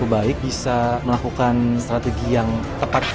jadi kalian bisa melakukan strategi yang tepat